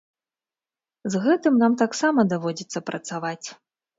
З гэтым нам таксама даводзіцца працаваць.